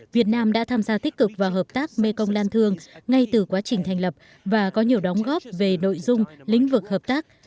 việt nam đã tham gia tích cực vào hợp tác mekong lan thương ngay từ quá trình thành lập và có nhiều đóng góp về nội dung lĩnh vực hợp tác